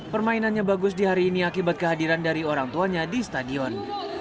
permainannya bagus di hari ini akibat kehadiran dari orang tuanya di stadion